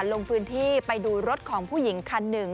ลงพื้นที่ไปดูรถของผู้หญิงคันหนึ่ง